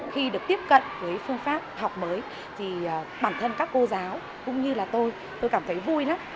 khi được tiếp cận với phương pháp học mới thì bản thân các cô giáo cũng như là tôi tôi cảm thấy vui lắm